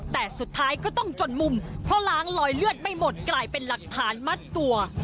แต่สุดท้ายก็ต้องจนมุมเพราะล้างลอยเลือดไม่หมดกลายเป็นหลักฐานมัดตัว